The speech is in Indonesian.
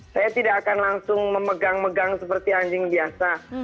saya tidak akan langsung memegang megang seperti anjing biasa